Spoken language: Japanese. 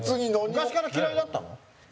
昔から嫌いだったの？